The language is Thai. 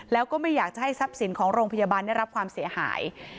แล้วก็ไม่อยากจะให้ทรัพย์สินของโรงพยาบาลได้รับความเสียหาย